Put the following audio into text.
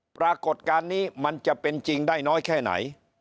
ปรากฏการณ์นี้มันจะเป็นจริงได้น้อยแค่ไหน